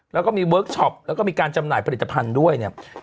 แล้วก็มีเวิร์คชอปแล้วก็มีการจำหน่ายผลิตภัณฑ์ด้วยเนี่ย